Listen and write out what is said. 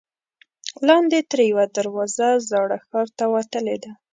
لاندې ترې یوه دروازه زاړه ښار ته وتلې ده.